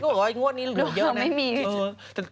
ก็บอกให้งวดนี้เหลือเยอะแบบนี้